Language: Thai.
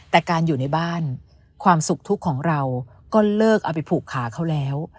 แต่การอยู่ในบ้านความสุขทุกข์ของเราก็เลิกเอาไปผูกขาเขาแล้ว